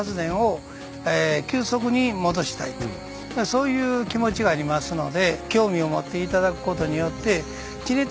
そういう気持ちがありますので。